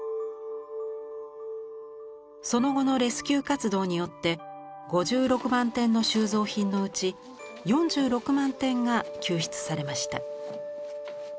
その後のレスキュー活動によって５６万点の収蔵品のうち４６万点が救出されました。